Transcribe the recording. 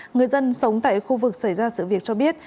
người dân sống tại khu vực xảy ra sự việc cho biết